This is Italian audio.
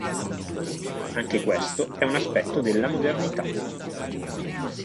Anche questo è un aspetto della “modernità”.